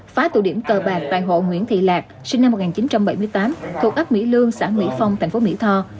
phá tụ điểm cờ bạc tại hộ nguyễn thị lạc sinh năm một nghìn chín trăm bảy mươi tám thuộc ấp mỹ lương xã mỹ phong tp mỹ tho